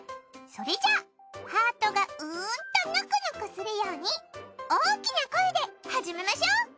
それじゃあハートがうんとぬくぬくするように大きな声で始めましょう。